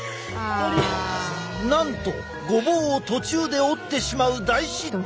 なんとごぼうを途中で折ってしまう大失態。